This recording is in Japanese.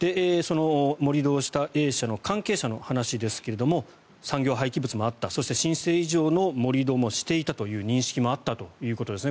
盛り土をしたＡ社の関係者の話ですが産業廃棄物もあったそして申請以上の盛り土もしていたという認識もあったということですね。